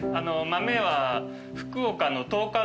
豆は福岡の豆香